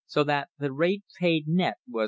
So that the rate paid net was $1.